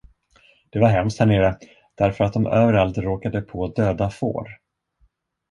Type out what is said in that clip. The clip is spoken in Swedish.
Det var hemskt härnere, därför att de överallt råkade på döda får.